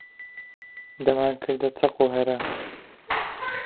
دەمانکردە چەقە و هەرا